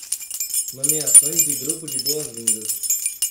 Nomeações de grupo de boas-vindas